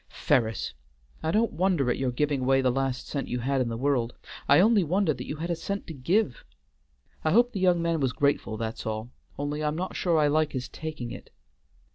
Ferris! I don't wonder at your giving away the last cent you had in the world, I only wonder that you had a cent to give. I hope the young man was grateful, that's all, only I'm not sure I like his taking it."